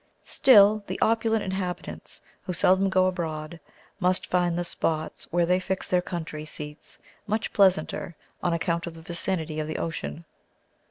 Still the opulent inhabitants, who seldom go abroad, must find the spots where they fix their country seats much pleasanter on account of the vicinity of the ocean.